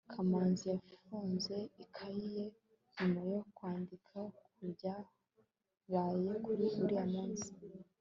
kamanzi yafunze ikayi ye nyuma yo kwandika kubyabaye kuri uriya munsi